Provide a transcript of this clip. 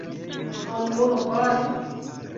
Kion nun fari?